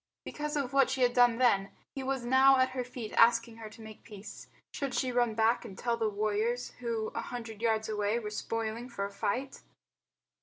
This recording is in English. Because of what she had done then, he was now at her feet asking her to make peace. Should she run back and tell the warriors, who a hundred yards away were spoiling for a fight?